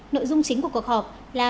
nội dung chính của cuộc họp là